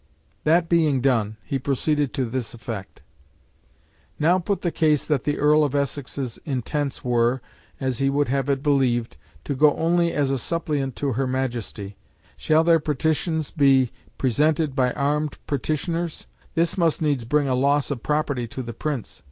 "That being done, he proceeded to this effect: "'Now put the case that the Earl of Essex's intents were, as he would have it believed, to go only as a suppliant to her Majesty. Shall their petitions be presented by armed petitioners? This must needs bring loss of property to the prince.